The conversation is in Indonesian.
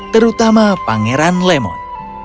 terutama pangeran lemon